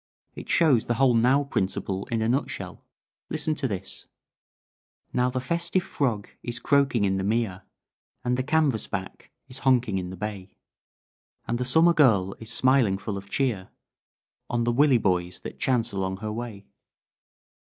It shows the whole 'Now' principle in a nutshell. Listen to this: "Now the festive frog is croaking in the mere, And the canvasback is honking in the bay, And the summer girl is smiling full of cheer On the willieboys that chance along her way.